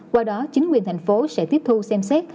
qua đó chính quyền thành phố sẽ tiếp thu xem xét